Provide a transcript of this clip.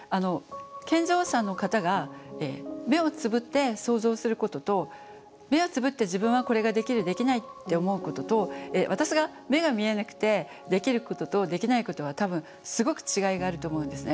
健常者の方が目をつぶって想像することと目をつぶって自分はこれができるできないって思うことと私が目が見えなくてできることとできないことは多分すごく違いがあると思うんですね。